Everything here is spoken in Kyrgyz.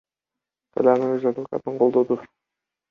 Салянова өз адвокатын колдоду.